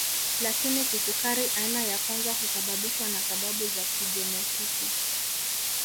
Lakini kisukari aina ya kwanza husababishwa na sababu za kijenetiki